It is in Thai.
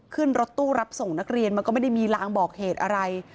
ขึ้นรถตู้รับส่งนักเรียนมันก็ไม่ได้มีลางบอกเหตุอะไร